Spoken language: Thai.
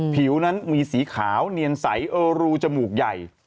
ผิวนั้นมีสีขาวเนียนใสรูจมูกใหญ่